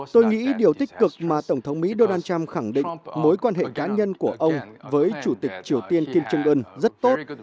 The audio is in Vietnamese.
tôi nghĩ điều tích cực mà tổng thống mỹ donald trump khẳng định mối quan hệ cá nhân của ông với chủ tịch triều tiên kim trương ưn rất tốt